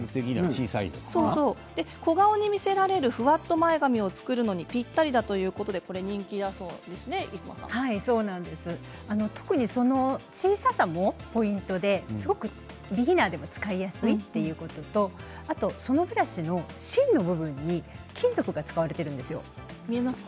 小顔に見せられるふわっと前髪を作るのにぴったりだということで特にその小ささもポイントでビギナーでも使いやすいということとそのブラシの芯の部分に金属が使われているんですよ見えますか。